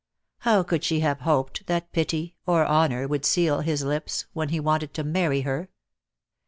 How could she have hoped that pity, or honour, would seal his lips, when he wanted to marry her?